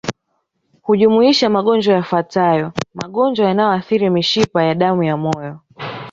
Hujumuisha magonjwa yafuatayo magonjwa yanayoathiri mishipa ya damu ya moyo